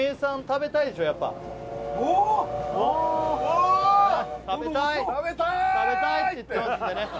食べたいって言ってますんでね